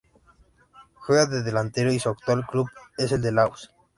Juega de delantero y su actual club es el de Laos.